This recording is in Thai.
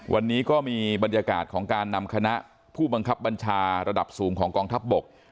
วันนี้ก็มีบรรยากาศของการนำคณะผู้บังคับบัญชาระดับสูงของกองทัพบก